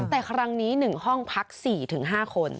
แต่ครั้งนี้๑ห้องพัก๔๕คน